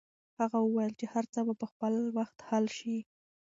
هغه وویل چې هر څه به په خپل وخت حل شي.